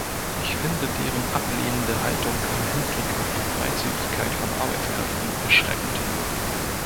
Ich finde deren ablehnende Haltung im Hinblick auf die Freizügigkeit von Arbeitskräften erschreckend.